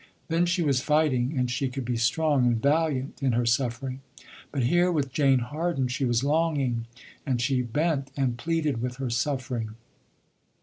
Then she was fighting and she could be strong and valiant in her suffering, but here with Jane Harden she was longing and she bent and pleaded with her suffering.